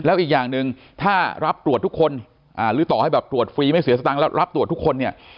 แล้วอีกอย่างหนึ่งถ้ารับตรวจทุกคนหรือต่อให้แบบตรวจฟรีไม่เสียสตังค์แล้วรับตรวจทุกคนเนี่ย